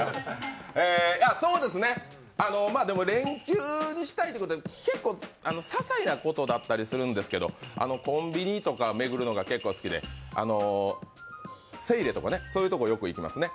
でも、連休にすること、ささいなことだったりするんですけどコンビニとか巡るのが結構好きでセイレとかそういうところよく行きますね。